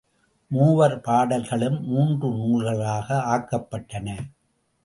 மூவர் பாடல்களும் மூன்று நூல்களாக ஆக்கப் பட்டன.